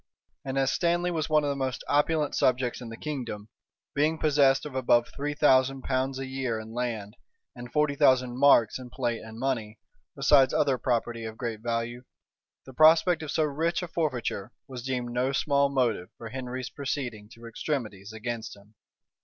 And as Stanley was one of the most opulent subjects in the kingdom, being possessed of above three thousand pounds a year in land, and forty thousand marks in plate and money, besides other property of great value, the prospect of so rich a forfeiture was deemed no small motive for Henry's proceeding to extremities against him.